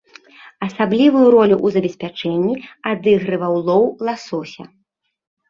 Асаблівую ролю ў забеспячэнні адыгрываў лоў ласося.